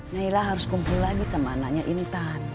naila harus kumpul lagi sama anaknya intan